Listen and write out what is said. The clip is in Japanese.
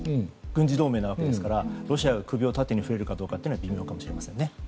軍事同盟なわけですからロシアが首を縦に振れるかどうかは微妙かもしれませんね。